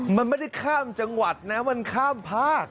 มันไม่ได้ข้ามจังหวัดนะมันข้ามภาค